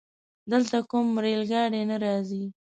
دلته کومه رايل ګاډی نه راځي؟